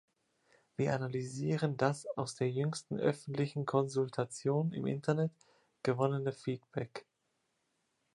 Wir analysieren das aus der jüngsten öffentlichen Konsultation im Internet gewonnene Feedback.